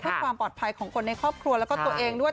เพื่อความปลอดภัยของคนในครอบครัวแล้วก็ตัวเองด้วย